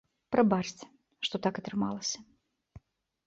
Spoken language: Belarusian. Прабачце, што так атрымалася.